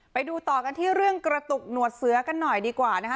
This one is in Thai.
ไปดูต่อกันที่เรื่องกระตุกหนวดเสือกันหน่อยดีกว่านะคะ